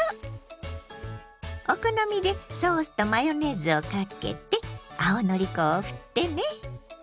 お好みでソースとマヨネーズをかけて青のり粉をふってね！